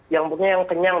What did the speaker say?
yang bukannya yang kenyang